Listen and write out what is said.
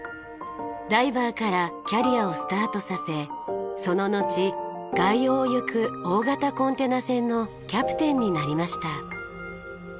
ダイバーからキャリアをスタートさせそののち外洋を行く大型コンテナ船のキャプテンになりました。